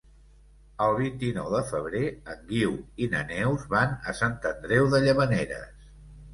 El vint-i-nou de febrer en Guiu i na Neus van a Sant Andreu de Llavaneres.